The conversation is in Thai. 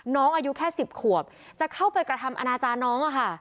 น้องอายุแค่๑๐ขวบจะเข้าไปกระทำอนาจารย์น้องอะค่ะ